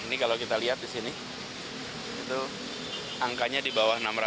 ini kalau kita lihat di sini angkanya di bawah enam ratus lima puluh